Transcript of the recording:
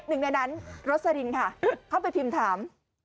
หนึ่งในนั้นรสลินค่ะเข้าไปพิมพ์ถาม